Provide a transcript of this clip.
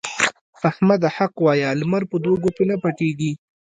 احمده! حق وايه؛ لمر په دوو ګوتو نه پټېږي.